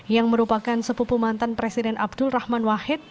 yang merupakan sepupu mantan presiden abdul rahman wahid